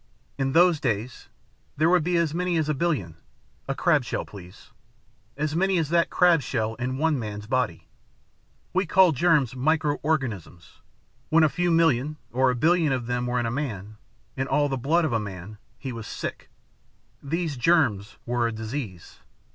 In those days there would be as many as a billion a crab shell, please as many as that crab shell in one man's body. We called germs micro organisms. When a few million, or a billion, of them were in a man, in all the blood of a man, he was sick. These germs were a disease.